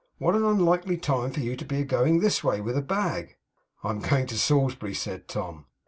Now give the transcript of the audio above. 'What an unlikely time for you to be a going this way with a bag!' 'I am going to Salisbury,' said Tom.